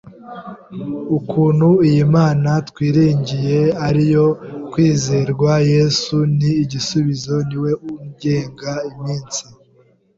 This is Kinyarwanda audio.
ukuntu iyi Mana twiringiye ari iyo kwizerwa, Yesu ni igisubizo niwe ugenga iminsi